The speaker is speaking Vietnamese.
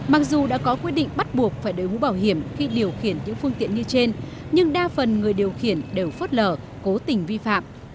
mặc dù đã có quy định bắt buộc phải đối mũ bảo hiểm khi điều khiển những phương tiện như trên nhưng đa phần người điều khiển đều phớt lờ cố tình vi phạm